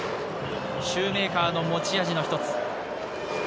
シューメーカーの持ち味の一つ。